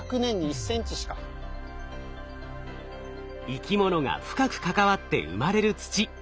生き物が深く関わって生まれる土。